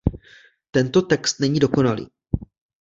Tento text není dokonalý.